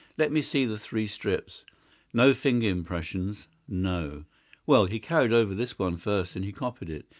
Let me see the three strips. No finger impressions—no! Well, he carried over this one first and he copied it.